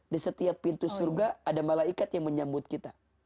di setiap pintu surga ada malaikat yang menyambut kita